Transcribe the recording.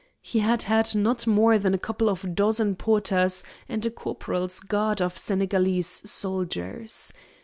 He had had not more than a couple of dozen porters and a corporal's guard of Senegalese soldiers.